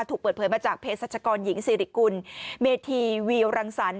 ถูกเปิดเผยมาจากเพศรัชกรหญิงสิริกุลเมธีวีรังสรรค